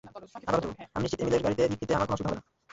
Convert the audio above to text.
আমি নিশ্চিত এমিলের গাড়িতে লিফট নিতে আমার কোনো অসুবিধা হবে না।